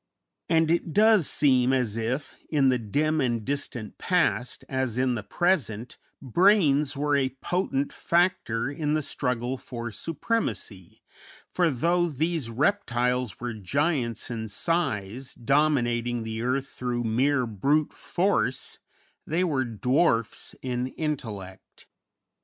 And it does seem as if in the dim and distant past, as in the present, brains were a potent factor in the struggle for supremacy; for, though these reptiles were giants in size, dominating the earth through mere brute force, they were dwarfs in intellect.